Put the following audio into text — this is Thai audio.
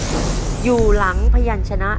คุณยายแจ้วเลือกตอบจังหวัดนครราชสีมานะครับ